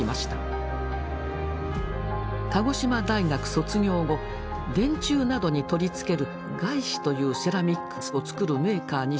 鹿児島大学卒業後電柱などに取り付ける碍子というセラミックスを作るメーカーに就職。